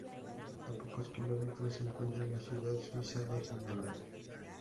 A pocos kilómetros se encuentra la ciudad suiza de Ginebra.